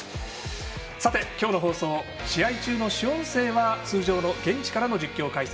さて、今日の放送試合中の主音声は通常の現地からの実況、解説。